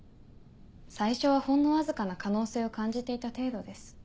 最初はほんのわずかな可能性を感じていた程度です。